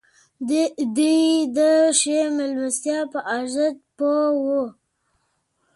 دوی د ښې مېلمستیا په ارزښت پوه وو.